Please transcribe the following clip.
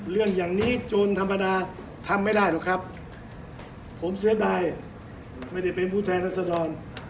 เรื่องอย่างนี้โจรธรรมดาทำไม่ได้หรอกครับผมเสียดายไม่ได้เป็นผู้แทนรัศดร